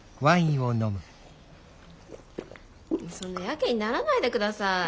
そんなヤケにならないで下さい。